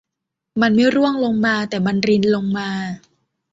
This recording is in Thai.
มันไม่ร่วงลงมาแต่มันรินลงมา